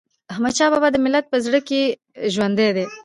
احمدشاه بابا د ملت په زړه کي ژوندی دی.